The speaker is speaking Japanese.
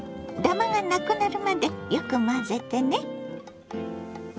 ダマがなくなるまでよく混ぜてね。